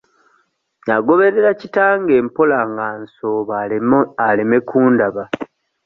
Nagoberera kitange mpola nga nsooba aleme kundaba.